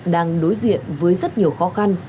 đang đối diện với rất nhiều khó khăn